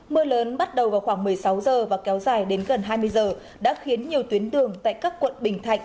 mưa lớn bắt đầu vào khoảng một mươi sáu giờ và kéo dài đến gần hai mươi giờ đã khiến nhiều tuyến đường tại các quận bình thạnh